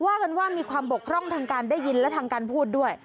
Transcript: ว่ากันว่ามีความบกพร่องทางการได้ยินและทางการพูดด้วย